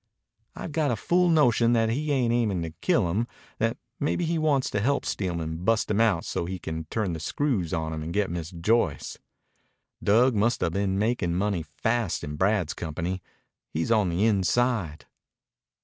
"I've got a fool notion that he ain't aimin' to kill him; that maybe he wants to help Steelman bust him so as he can turn the screws on him and get Miss Joyce. Dug must 'a' been makin' money fast in Brad's company. He's on the inside."